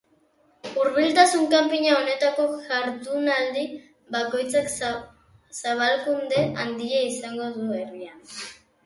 Hurbiltasun kanpaina honetako jardunaldi bakoitzak zabalkunde handia izango du herrian.